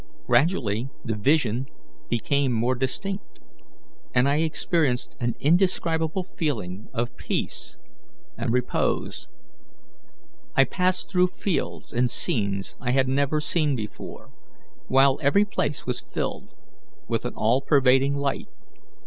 Gradually the vision became more distinct, and I experienced an indescribable feeling of peace and repose. I passed through fields and scenes I had never seen before, while every place was filled with an all pervading light.